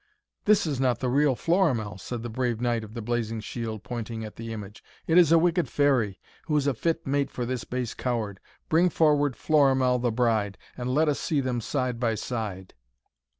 'This is not the real Florimell!' said the brave knight of the blazing shield, pointing at the image. 'It is a wicked fairy, who is a fit mate for this base coward. Bring forward Florimell the bride, and let us see them side by side!'